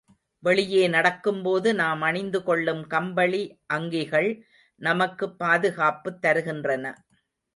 வெளியே நடக்கும்போது நாம் அணிந்துகொள்ளும் கம்பளி அங்கிகள் நமக்குப் பாதுகாப்புத் தருகின்றன.